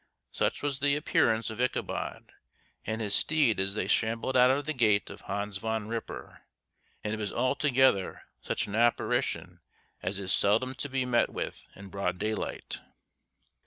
Such was the appearance of Ichabod and his steed as they shambled out of the gate of Hans Van Ripper, and it was altogether such an apparition as is seldom to be met with in broad daylight.